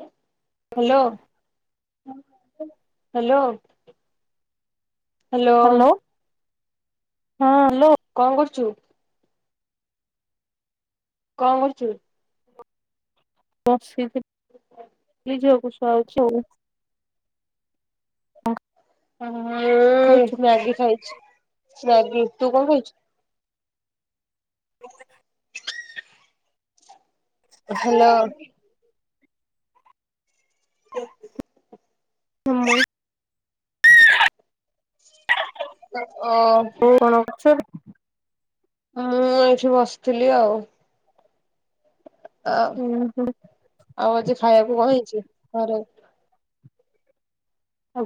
Hello hello. Hello ହଁ hello. କଣ କରୁଛୁ? କଣ କରୁଛୁ? ବସିଥିଲି କହିଲି ଝିଅକୁ ଶୁଆଉଛି ଆଉ। କଣ ହଁ ଖାଇଛୁ? ସ୍ୱାଗୀ ଖାଇଛି ସ୍ୱାଗି ତୁ କଣ ଖାଇଛୁ? ହ। ହାଲୋ। ହଁ। [unintelligible] [unintelligible] [inaudible] । [inaudible] [inaudible] ମୁଁ ଏଇଠି ବସିଥିଲି ଆଉ। ଆଉ ହୁଁ ହୁଁ ଆଉ ଆଜି ଖାଇବାକୁ କଣ ହେଇଛି ଘରେ।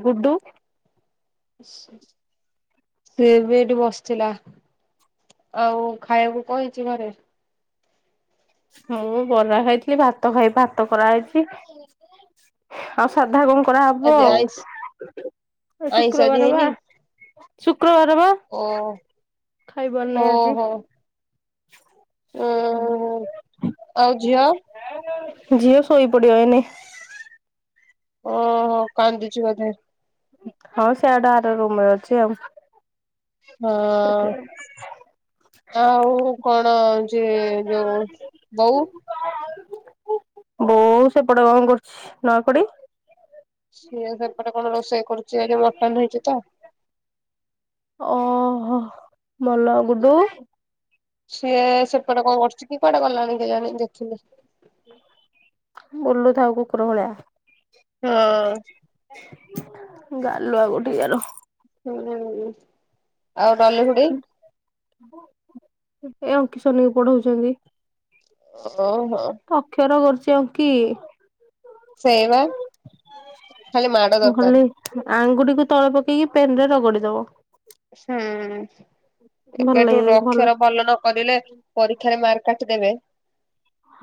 ଗୁଡୁ। ସେବି ଏଠି ବସିଥିଲା। ଆଉ ଖାଇବାକୁ କଁ ହେଇଛି ଘରେ? ହଁ ମୁଁ ବରା ଖାଇଥିଲି ଭାତ ଖାଇବି ଭାତ କରାହେଇଛି। ଆଉ ସାଧା କଣ କରାହବ ଆଜି ଆଇଁଷ ଆଉ। ଆଇଁଷ ଆଜି ଶୁକ୍ରବାର ବା ହେଇନି ଶୁକ୍ରବାର ବା। ଓ ଖାଇବାର ଓ ନାହିଁ ଆଜି। ହୋ ଓ ଆଉ ଝିଅ [inaudible] ଝିଅ ସୋଇ ପଡିବ ଏଇନେ। ଓହୋ କାନ୍ଦୁଛି ବୋଧେ? ହଁ ସେଆଡ ଆର ରୁମ ରେ ଅଛି ଆଉ। ହଁ ଅଁ। ଆଉ କଣ ଯେ ଯୋଉ ବଉ। ବଉ ସେପଟେ କଣ କରୁଛି ନୂଆ ଖୁଡି? ସିଏ ସେପଟେ କଣ ରୋଷେଇ କରୁଛି ଆଜି ମଟନ ହେଇଛି ତ। ଓହୋ ମଲ ଗୁଡୁ। ସିଏ ସେପଟେ କଣ କରୁଛି କି କୁଆଡେ ଗଲାଣିି କେଜାଣି ଦେଖିନି। ବୁଲୁଥାଉ କୁକୁର ଭଳିଆ। ହଁଅଁ। ଗାଲୁଆ କୋଉଠିଁ କାର। ହୁଁଉଁ ଆଉ ଡଲିଖୁଡି। ଏଁ ଅଙ୍କି ସୋନିକୁ ପଢଉଛନ୍ତି। ଓ ହୋ। ଅକ୍ଷର କରୁଛି ଅଙ୍କି। ସେଇୟା ବା ଖାଲି ମାଡ ଦରକାର୍। ଆଙ୍ଗୁଟି କୁ ତଳେ ପକେଇକି ପେନ୍ ରେ ରଗଡିଦବ। ହୁଁ। ଭଲ ଏବେଠୁଁ ଲାଗେ ରଅକ୍ଷର ଭଲ ନ କରିଲେ ପରୀକ୍ଷାରେ ମାର୍କ କାଟିଦେବେ।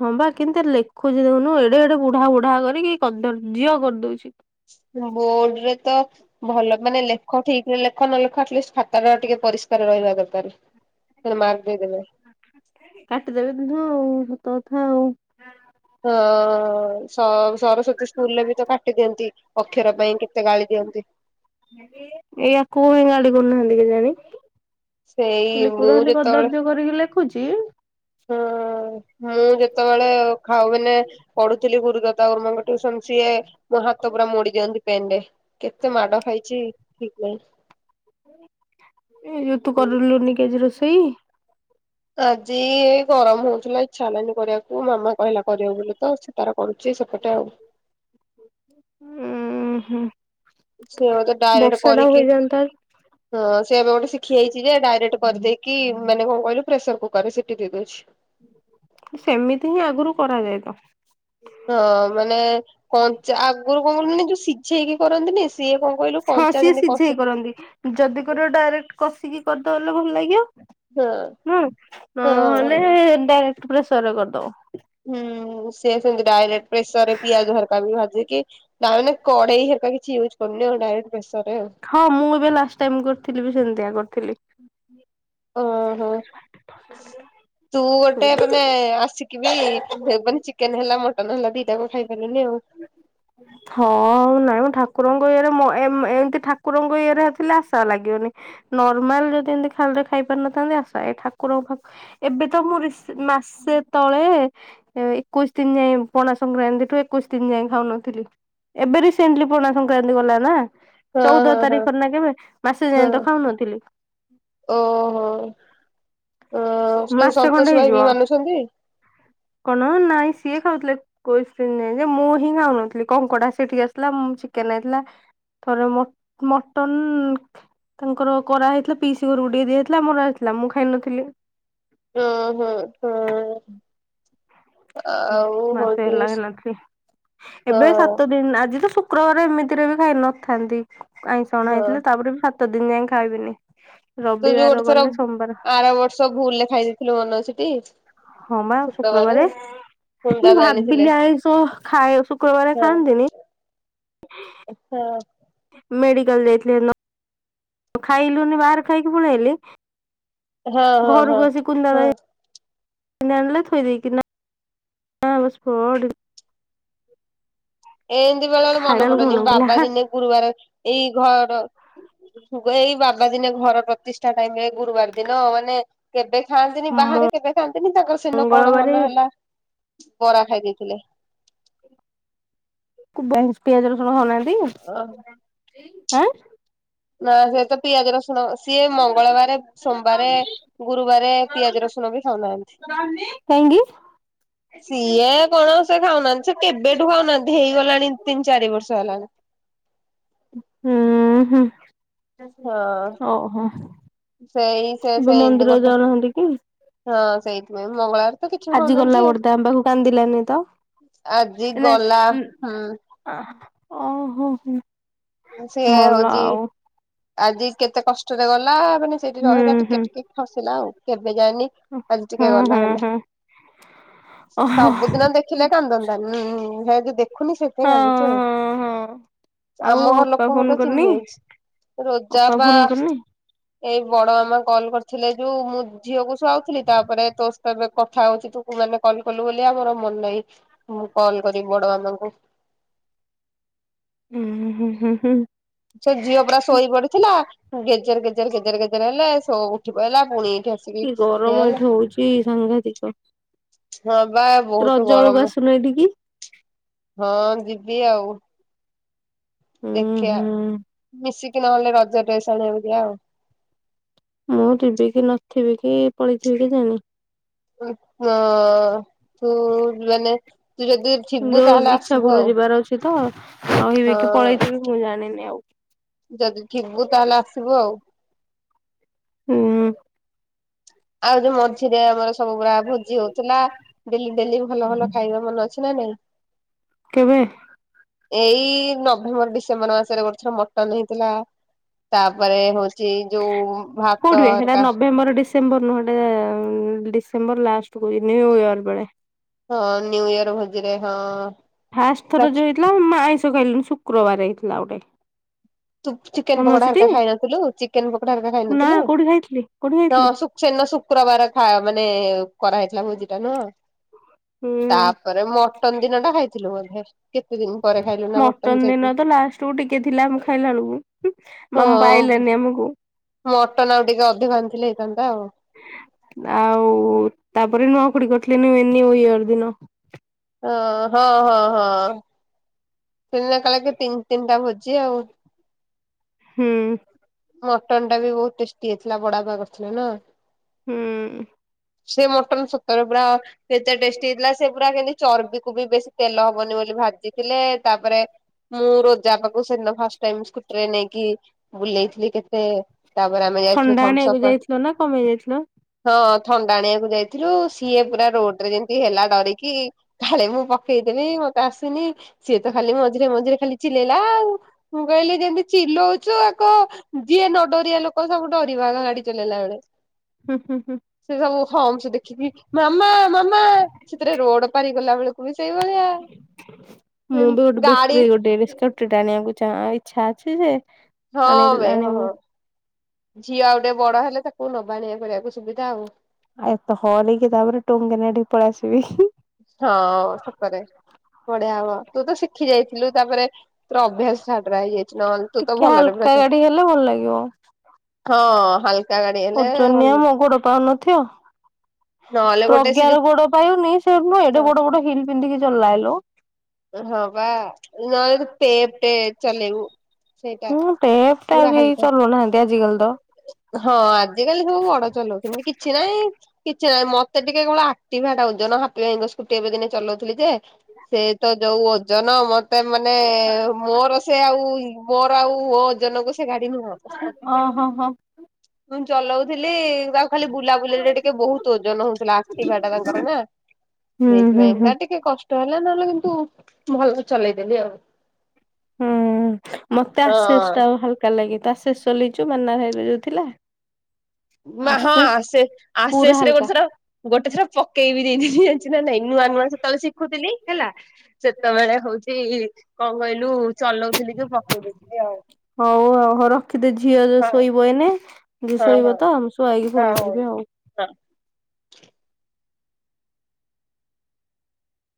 ହଁ ବା କେମିତିଆ ଲେଖୁଚି ଦେଖୁନୁ ଏଡେ ଏଡେ ବୁଢା ବୁଢା କରିକି କଦର୍ଯ୍ୟ କରିଦଉଚି। ବୋର୍ଡ ରେ ତ ଭଲ ମାନେ ଲେଖ ଠିକ୍ ରେ ଲେଖ ନହେଲେ ଲେଖା ଆଟଲିଷ୍ଟ ଖାତା ଟା ଟିକେ ପରିଷ୍କାର୍ ରହିବା ଦରକାର୍। ସେ ଥିରେ ମାର୍କ ଦେଇଦେବେ। କାଟି ଦେବେ ମୁହଁ ଆଉ ସତ କଥା ଆଉ। ହଁ ସଁ ସରସ୍ଵତୀ ସ୍କୁଲରେ ବି ତ କାଟି ଦିଅନ୍ତି। ଅକ୍ଷର ପାଇଁ କେତେ ଗାଳି ଦିଅନ୍ତି। ଜାକି। ଏଇୟାକୁ କାହିଁ ଗାଳି କରୁନାହାନ୍ତି କେଜାଣି? ସେଇ ଲିକୁ ମୁଁ ସେମିତି କଦର୍ଯ୍ୟ କରିକି ଲେଖୁଚି। ହୁଁ ମୁଁ ଯେତେବେଳେ ଖାଉ ମାନେ ପଢୁଥିଲି ଗୁରୁଦାତା ଗୁରୁମାଙ୍କ ଟ୍ୟୁସନ୍ ସିଏ ମୋ ହାତ ପୁରା ମୋଡି ଦିଅନ୍ତି। ପେନ୍ ରେ। କେତେ ମାଡ ଖାଇଚି ଠିକ୍ ନାହିଁ। ଏଇ ଯୋଉଁ ତୁ ନାହିଁ। କଲୁନି କି ଆଜି ରୋଷେଇ? ଆଜି ଗରମ୍ ହଉଛି ଇଚ୍ଛା ହେଲାନି କରିବାକୁ ମାମା କହିଲା କରିବାକୁ ବୋଲି ତ ସେ ତାର କରୁଚି ସେପଟେ ଆଉ। ଉଁ ହୁଁ। ସିଏ ବୋଧେ ଡାଇରେକ୍ଟ ବର୍ଷା ଟା କରିକି ହୋଇଯାନ୍ତା। ହଁ ସେ ଏବେ ଗୋଟେ ଶିଖି ଯାଇଚି ଯେ ଡାଇରେକ୍ଟ୍ କରିଦେଇକି ମାନେ କଣ କହିଲୁ ପ୍ରେସର୍ କୁକର୍ ରେ ସିଟି ଦେଇ ଦଉଚି। ସେମିତି ହିଁ ଆଗରୁ କରାଯାଏ ତ। ହଁ ମାନେ କଞ୍ଚା ଆଗୁରୁ କଣ କହୁନ୍ତିନି ଯୋଉଁ ସିଝେଇକି କରନ୍ତିନି ସିଏ କଣ କହିଲୁ ହଁ କଞ୍ଚା ସିଏ ଯେମିତି ସିଝେଇ କଷେ କରନ୍ତି। ଯଦି କରିବ ଡାଇରେକ୍ଟ୍ କଷିକି କରିଦବ ବଲେ ଭଲ ଲାଗିବ। ହଁ ହୁଁ। ହୁଁ ମାନେ ନ ହଁ ହେଲେ ଡାଇରେକ୍ଟ୍ ପ୍ରେସର୍ ରେ କରିଦବ। ହୁଁ ସିଏ ସେଇଆ ସିଏ ଡାଇରେକ୍ଟ୍ ପ୍ରେସର୍ ରେ ପିଆଜ ହେରକା ବି ଭାଜିକି ତା ମାନେ କଡେଇ ହେରିକା କିଛି ଇଉଜ୍ କରୁନି ଆଉ ଡାଇରେକ୍ଟ୍ ପ୍ରେସର୍ ରେ ଆଉ। ହଁ ମୁଁ ଏବେ ଲାଷ୍ଟ୍ ଟାଇମ୍ କରିଥିଲି ବି ସେମିତିଆ କରିଥିଲି। ଓ ହୋ। ତୁ ଗୋଟେ ଏବେ ଆସିକି ବିି ହେ ବଂଚିକି ଚିକେନ୍ ହେଲା ମଟନ୍ ହେଲା ଦିଟା ଯାକ ଖାଇପାରିଲୁନି ଆଉ। ହଁ ନାଇଁମ ଠାକୁରଙ୍କ ଇଏରେ ମୋ ଏଁ ଏମ ଏମିତି ଠାକୁରଙ୍କ ଇଏରେ ଆସିଲେ ଆଶା ଲାଗିବନି। ନର୍ମାଲ୍ ଯଦି ଏମିତି ଖାଲି ରେ ଖାଇ ପାରିନଥାନ୍ତୀ ଆଶା ଏଇ ଠାକୁରଙ୍କ ପାଇଁ ଏବେ ତ ମୁଁ ରିସ୍ ମାସେ ତଳେ ଏକୋଇଶି ଦିନ୍ ଯାଏଁ ପଣା ସଂକ୍ରାନ୍ତି ଠୁଁ ଏକୋଇଶି ଦିନ ଯାଏ ଖାଉନଥିଲି। ଏବେ ରିସେଣ୍ଟଲି ପଣା ସଂକ୍ରାନ୍ତି ଗଲା ନାଁ। ଚଉଦ ହଁ ହଁ ତାରିଖରେ ନାଁ କେବେ ମାସେ ହଁ ଯାଏଁ ତ ହଁ ଖାଉନଥିଲି। ଓହୋ ଯଉ ମାସେ ଖଣ୍ଡେ ସନ୍ତୋଷ ଭାଇ ହେଇଯିବ। ବି ମାନୁଛନ୍ତି। କଣ ନାଇଁ ସିଏ ଖାଉଥିଲେ। କୋସିନ୍ ନାଇଁ ଯେ ମୁଁ ହିଁ ଖାଉନଥିଲି କଙ୍କଡା ସେଠିକି ଆସିଲା ମୁ ଚିକେନ୍ ଆଇଥିଲା ଥରେ ମ ମଟନ୍ ତାଙ୍କର କରା ହେଇଥିଲା ପିସି ଘରକୁ ଟିକେ ଦିଆଯାଇଥିଲା ଆମର ଆସିଥିଲା ମୁଁ ଖାଇନଥିଲି। ହୁନ୍ ହୁଁ ହୁଁ। ହୁଁ ମାସେ ହଉଛି ହେଲା ଖାଇନଥିଲି ହଁ ଏବେ ସାତ ଦିନ୍ ଆଜି ତ ଶୁ ଶୁକ୍ରବାରେ ଏମିତିରେ ବି ଖାଇନଥାନ୍ତି ଆଇଁସ ହଁ। ଅଣାହେଇଥିଲେ ତାପରେ ବି ସା ସାତ ଦିନ୍ ଯାଏ ଖାଇବିନି ରବିବାର ଗଲେ ସୋମବାର। ସବୁ ଭୁଲ୍ ରେ ଖାଇ ଦେଇଥିଲୁ ମନେ ଅଛି ଟି। ହଁ ବା ଶୁକ୍ରବାରେ। ହୁନ୍ଦା ମୁ ଆଣିଥିଲେ ଭାବିଲି ଆଇଁଷ ଖାଏ ଶୁକ୍ରବାରେ ଖାଆନ୍ତିନି। ଆଚ୍ଛା। ମେଡିକାଲ ଯାଇଥିଲେ ସେଦିନ। ଖାଇଲୁନି ବାହାରେ ଖାଇକି ପଳେଇଲି। ହଁ ହଁ ହଁ କୁନ୍ଦା ହଁ। କିଣି ଆଣିଲେ ଥୋଇ ଦେଇ କି ନା ହଁ ବ ସ୍ଫଡ଼ ଏମିତି ବେଳେ ବେଳେ ଖାଇଲା ମନେ ବେଳକୁ ପଡୁନି ପଇଲା ବାବା ହାଁ ଦିନେ ଗୁରୁବାର ଏଇ ଘର ଗ ଏଇ ବାବା ଦିନେ ଘର ପ୍ରତିଷ୍ଠା ଟାଇମ ରେ ଗୁରୁବାର ଦିନ ମାନେ କେବେ ଖାଆନ୍ତିନି ବାହାରେ କେବେ ଖାଆନ୍ତିନି ତାଙ୍କର ସେଦିନ କଣ ମଙ୍ଗଳବାରେ ମନ ହେଲା ବରା ଖାଇ ଦେଇଥିଲେ। [unintelligible] ପିଆଜ ରସୁଣ ଖାଉନାହାନ୍ତି। ଓ ଆଁ। ନା ସେ ତ ପିଆଜ ରସୁଣ ସିଏ ମଙ୍ଗଳବାରେ ସୋମବାରେ ଗୁରୁବାରେ ପିଆଜ ରସୁଣ ବି ଖାଉନାହାନ୍ତି। କାହିଁକି? ସିଏ କଣ ସେ ଖାଉନାହାନ୍ତି ସେ କେବେଠୁ ଖାଉନାହାନ୍ତି ହେଇଗଲାଣି ତିନି ଚାରି ବର୍ଷ ହେଲାଣି। ହୁଁ ହୁଁ। ହଁ ଓହୋ ସେଇ ସେ ଏବେ ସେଇ ମନ୍ଦିର ଗୋଟେ ଯାଉନାହାନ୍ତି କି? ହଁ ସେଇଥିପାଇଁ ମଙ୍ଗଳବାର ତ କିଛି ଆଜି ଗଲା ଖାଉନାହାନ୍ତି ଆଉ। ବର୍ଦା ଆମ ପାଖକୁ କାନ୍ଦିଲାନି ତ। ଆଜି ଗଲା ହୁଁ ଅ ଓହୋ ହୋ। ସିଏ ହଉଛି ଆଜି କେତେ କଷ୍ଟରେ ଗଲା ମାନେ ସେଇଠି ହୁଁ ରହିଲା ଟିକେ ହୁଁ ଟିକେ ହସିଲା ଆଉ। କେବେ ଯାଇନି ଆଜି ଟିକେ ହୁଁ ଗଲା ହୁଁ ହେଲେ ହୁଁ ଓହୋ ହଁ ସବୁଦିନ ଦେ ଦେଖିଲେ କାନ୍ଦନ୍ତାନି ସେ ଯ ଦେଖ ହଁ ହଁ ହଁ। ଆଉ ଆମ ଘର ଅପା ଲୋକ ଗୋଟେ ଫୋନ ଚିହ୍ନି କରିନି ଯାଇଛି ରୋଜା ଅପା ପା ଫୋନ କରିନି? ଏଇ ବଡ ମାମା କଲ୍ କରିଥିଲେ ଯୋଉ ମୁଁ ଝିଅକୁ ଶୁ ଆଉଥିଲି ତାପରେ ତୋ ତ ଏବେ କଥା ହଉଛି ତୁ ମାନେ କଲ କଲୁ ବୋଲି ଆମର ମନେ ନାହିଁ ମୁଁ କଲ୍ କର ବଡ ମାନଙ୍କୁ ହୁଁ ହୁଁ ହୁଁ ହୁଁ। ସେ ଝିଅ ପୁରା ଶୋଇ ପଡିଥିଲା ଗେଜେର ଗେଜେର ଗେଜେର ଗେଜେର ହେଲେ ଏଠି ପହା ପୁଣି ଏଇଠି ଆସିକି କି ଗରମ ହେଲେ ଏଠି ହଉଛି ସାଂଘାତିକ ହଁ ପା ବହୁତ ରଜ ବେଳକୁ ଗରମ ଆସୁନ ଏଠିକି। ହଁ ଯିବି ଆଉ। ହୁଁ ଦେଖିବା ହୁଁ ମିଶିକି ନହେଲେ ରଜ ଡ୍ରେସ୍ଆଣିବାକୁ ଦିଆ ଆଉ ମୁଁ ଯିବି କି ନଥିବି କି ପଳେଇଥିବି କି ଜାଣି ହଁ ତୁ ମାନେ ତୁ ଯଦି ଥିବୁ ଯୋଉ ତାହେଲେ ଇଚ୍ଛା ଆସିବୁ ପୁର ଆଉ ଯିବାର ଅଛି ତ ହଁ ରହିବି କି ପଳେଇଥିବି ମୁଁ ଜାଣିନି ଆଉ ଯଦି ଥିବୁ ତାହେଲେ ଆସିବୁ ଆଉ ହୁଁ ଆଉ ଯୋଉ ମଝିରେ ଆମର ସବୁ ପୁରା ଭୋଜି ହଉଥିଲା ଡେଲି ଡେଲି ବି ଭଲ ଭଲ ଖାଇବା ମନେ ଅଛି ନା ନାଇଁ କେବେ ଏଇ ନଭେମ୍ବର ଡିସେମ୍ବର ମାସରେ ଗୋଟଥିଲା ମଟନ ହେଇଥିଲା ତାପରେ ହଉଛି ଯୋଉ ଭାତର କ ମୋର ଡିସ ଡିସେମ୍ବର ନୁହେଁ ଟେ ଡିସେମ୍ବର ଲାଷ୍ଟକୁ ନ୍ୟୁ ଇୟର ବେଳେ ହଁ ନ୍ୟୁ ଇୟର ଭୋଜି ରେ ହଁ ଫାଷ୍ଟ ଥର ଯଉ ହେଇଥିଲା ମୁଁ ଆଇଁଷ ଖାଇଲୁ ଶୁକ୍ରବାର ହେଇଥିଲା ଗୋଟେ ତୁ ଚିକେନ ମନେ ପକୋଡା ଅଛି ହରିକା ଖାଇ ନଥିଲୁ ଚିକେନ ପକଡା ହରିକା ଖାଇ ନଥିଲୁ ହଁ କଉଠି ଖାଇଥିଲି କଉଠି ହଁ ଶସେନ ଶୁକ୍ରବାର ଖା ମାନେ କରାହେଇଥିଲା ଭୋଜିଟା ନୁହଁ ହୁଁ। ତାପରେ ମଟନ ଦିନ ଟା ଖାଇଥିଲୁ ବୋଧେ କେତେ ଦିନ ପରେ ଖାଇଲୁ ନା ମଟନ୍ ସେଇତ ଟୁ ଟିକେ ଥିଲା ମୁଁ ଖାଇଲା ବେଳକୁ ହଁ ମାମା ପାଇଲେନି ଆମକୁ ମଟନ ଆଉ ଟିକେ ଅଧିକ ଆଣିଥିଲେ ହେଇଥାନ୍ତା ଆଉ ନା ଆଉ ତାପରେ ନୁଆକୁଡି କରିଥିଲେ ନୁହେ ନିୁ ଇୟର ଦିନ ଓ ହଁ ହଁ ହଁ [unintelligible] କା ତିନି ତିନିଟା ଭୋଜି ଆଉ ହୁଁ ମଟନ ଟା ବି ବହୁତ ଟେଷ୍ଟି ହେଇଥିଲା ବଡା ପା କରିଥିଲା ନା ହୁଁ ସେ ମଟନ ସତରେ ପୁରା କେତେ ଟେଷ୍ଟି ହେଇଥିଲା ସେ ପୁରା କେମତି ଚର୍ବିକୁ ବି ବେଶୀ ତେଲ ହବନି ବୋଲି ଭାଜିଥିଲେ ତାପରେ ମୁଁ ରୋଜା ପାଖକୁ ସେଦିନ ଫାଷ୍ଟ ଟାଇମି ସ୍କୁଟିରେ ନେଇକି ବୁଲେଇଥିଲି କେତେ ତାପରେ ଆମେ ଯାଇଥିଲୁ ଥଣ୍ଡା ଥମ୍ସ ଆଣିବାକୁ ଅପ୍ ଯାଇଥିଲ ନା କଣ ପାଇଁ ଯାଇଥିଲ? ହଁ ଥଣ୍ଡା ଆଣିବାକୁ ଯାଇଥିଲୁ ସିଏ ପୁରା ରୋଡ ରେ ଯେମିତି ହେଲା ଡରିକି କାଳେ ମୁଁ ପକେଇଦେବି ମତେ ଆସୁନି ସିଏ ତ ଖାଲି ମଝିରେ ମଝିରେ ଖାଲି ଚିଲେଇଲା ଆଉ ମୁଁ କହିଲି ଯେମିତି ଚିଲଉଛୁ ଆ କ ଯିଏ ନଡରିଆ ଲୋକ ସବୁଠୁ ଡରିବ ଆଗ ଗାଡି ଚଲେଇଲା ବେଳେ ହୁଁ ହୁଁ ହୁଁ ସେ ସବୁ ହମ ସ ଦେଖିକି ମାମା ମାମା ସେଥିରେ ରୋଡ ପାରିଗଲା ବେଳକୁ ବି ସେଇଭଳିଆ ମୁଁ ବି ଗୋଟେ ଗାଡି ବେଟରୀ ଗୋଟେସ୍କଟି ଆଣିବାକୁ ଇଚ୍ଛା ଇଚ୍ଛା ଅଛି ଯେ ହଁ ଆଣି ଭାଇ ଆଣିବୁ ହଁ ଝିଅ ଆଉ ଟେ ବଡ ହେଲେ ତାକୁ ନବାଣଆ କରିବାକୁ ସୁବିଧା ଆଉ ଆଉ ଏତ ହର ହେଇକି ତାପରେ ଟଙ୍ଗେନା ଟିକ ପଳେଇ ଆସିବି ହଁ ସତରେ ବଢିଆ ହବ ତୁ ତ ଶିଖି ଯାଇଥିଲୁ ତାପରେ ତୋର ଅଭ୍ୟାସ ଛାଡା ହେଇଯାଇଛି ନହେଲେ ତୁ ତ ଟିକେ ଭଲରେ ହାଲକା ପଛ ଗାଡି ହେଲେ ଭଲ ଲାଗିବ। ହଁ ହାଲକା ଗାଡି ହେଲେ ଓଜନିଆ ଭଲ ମୋ ଗୋଡ ପାଉନଥିବ ନହେଲେ ଗୋଟେ ସେ ପ୍ରଜ୍ଞ ର ଯୋଉ ଗୋଡ ପାଉନି ସେ ନୁହଁ ଏଡେ ବଡ ବଡ଼ ହିଲ ପିନ୍ଧିକି ଚଲାଇଲୁ ହ ବା ନାହେଲେ ପେ-ପେଟେ ଚାଲେେଇବୁ। ହୁଁ ଟେପ ଟା ଆଉ କେଇ ଚଲୁନାହାନ୍ତି ଆଜିିକାଲି ତ। ହଁ ଆଜିକାଲି ସବୁ ବଡ ଚଲାଉଛନ୍ତି କିଛି ନିଇଁ କିଛି ନାଇଁ ମତେ ଟିକେ କେବଳ ଏକ୍ଟିଭାଟା ଓଜନ ହପୀ ଭାଇଙ୍କ ସ୍କୁଟି ଏବେ ଦିନେ ଚଲାଉଥିଲି ଯେ ସେ ତ ଯୋଉ ଓଜନ ମ ସେଇ ପାଇଁ ମାନେ ମୋର ସେ ଆଉ ମୋର ଆଉ ମୋଜନଙ୍କୁ ସେ ଗାଡି ନୁହଁ। ହଁ ହଁ ହଁ ମୁଁ ଚଲାଉଥିଲି ତାକୁ ଖାଲି ବୁଲାବୁଲିରେ ଟିକେ ବହୁତ ଓଜନ ହଉଥିଲା ଏକ୍ଟିଭାଟା ତାଙ୍କର ନା। ହୁଁ ହୁଁ ସେଇଥିପାଇଁ ହୁଁ ତା ଟିକେ କଷ୍ଟ ହେଲା ନହେଲେ କିନ୍ତୁ ଭଲ ଚଲେଇଦେଲି ଆଉ। ହୁଁ ମତେ ଆଶେଷ ହଁ ଟା ହାଲକା ଲାଗେ ତ ଆଶେଷ ଚଲେଇଛୁ ମାନା ଭାଇର ଯୋଉ ଥିଲା। ବା ହଁ ଆଶିଷ ଆସେ ପୁରା ଅଶେଷ୍ ଗୋଟେ ହାଲକା। ଥର ଗୋଟେ ଥର ପକେଇବି ଦେଖିଥିଲି ଜଣିଚୁ ନା ନାଇଁ ନୁଆ ନୁଆ ସେତେବେଳେ ସି ଖୁଥିଲି ହେଲା ସେତେବେଳେ ହଉଚି କଣ କହିଲୁ ଚଲଉଥିଲି ଯୋଉ ପକେଇ ଦେଇେଇଥିଲି ଆଉ। ହଉ ଆଉ ହଉ ର ଖିଦେ ଝିଅ ଯୋ ହଁ ଶୋଇବ ଏନେ ଝିଅ ହଁ ହଁ ଶୋଇବ ତ ଶୁଆଇକି ହଁ ଫୋନ ହଉ ହଁ। କରିବି ଆଉ।